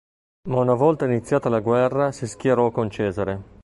Ma una volta iniziata la guerra, si schierò con Cesare.